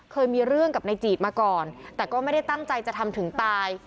เคยมีเรื่องกับนายจีดมาก่อนแต่ก็ไม่ได้ตั้งใจจะทำถึงตาย